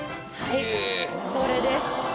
はいこれです